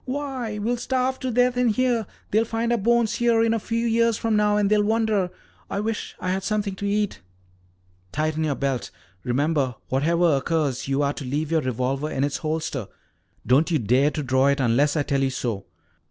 "Why, we'll starve to death in here. They'll find our bones here a few years from now and they'll wonder I wish I had something to eat." "Tighten your belt. Remember, whatever occurs, you are to leave your revolver in its holster. Don't you dare to draw it unless I tell you to.